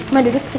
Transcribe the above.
mak duduk sini